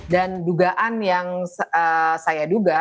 dan dugaan yang saya duga